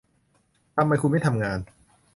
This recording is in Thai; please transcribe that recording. ทำไมคุณไม่ทำงาน